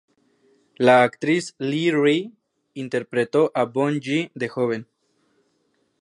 La actriz Lee Re interpretó a Boon-yi de joven.